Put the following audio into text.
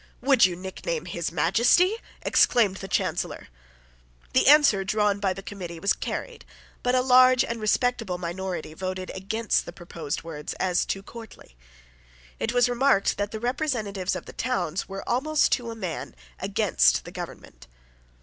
"Would you nickname His Majesty?" exclaimed the Chancellor. The answer drawn by the committee was carried; but a large and respectable minority voted against the proposed words as too courtly. It was remarked that the representatives of the towns were, almost to a man, against the government.